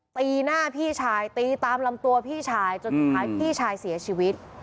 ตีหน้าพี่ชายตีตามลำตัวพี่ชายจนสุดท้ายพี่ชายเสียชีวิต